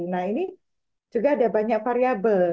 nah ini juga ada banyak variable